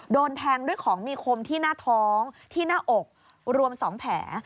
โดนแทงด้วยของมีคมที่หน้าท้องที่หน้าอกรวม๒แผล